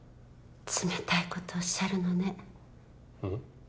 冷たいことおっしゃるのねうん？